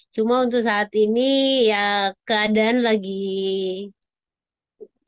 cuma untuk saat ini ya keadaan lagi